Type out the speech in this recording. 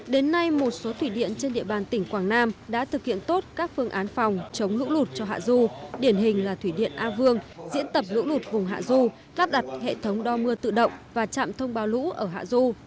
đến nay một số thủy điện trên địa bàn tỉnh quảng nam đã thực hiện tốt các phương án phòng chống lũ lụt cho hạ du điển hình là thủy điện a vương diễn tập lũ lụt vùng hạ du lắp đặt hệ thống đo mưa tự động và trạm thông báo lũ ở hạ du